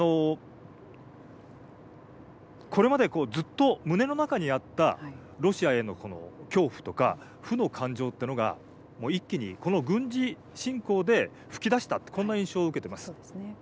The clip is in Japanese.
これまでずっと胸の中にあったロシアへの恐怖とか負の感情というのが一気に、この軍事侵攻で吹き出したこんな印象を受けています。